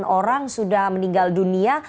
delapan orang sudah meninggal dunia